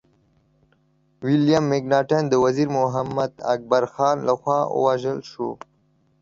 ويليم مکناټن د وزير محمد اکبر خان لخوا ووژل شو.